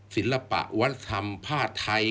ศิลปะวัฒนธรรมผ้าไทย